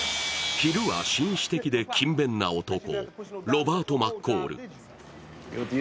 昼は紳士的で勤勉な男、ロバート・マッコール。